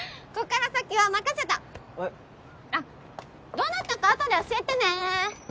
どうなったか後で教えてね！